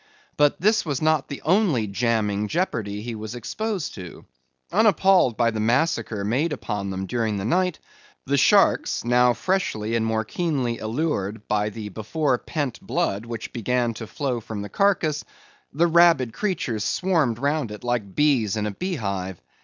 But this was not the only jamming jeopardy he was exposed to. Unappalled by the massacre made upon them during the night, the sharks now freshly and more keenly allured by the before pent blood which began to flow from the carcass—the rabid creatures swarmed round it like bees in a beehive.